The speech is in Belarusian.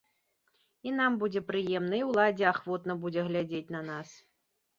І нам будзе прыемна, і ўладзе ахвотна будзе глядзець на нас.